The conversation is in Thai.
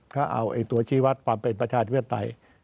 ก็เอาตัวชีวัตรความเป็นประชาธิปไตย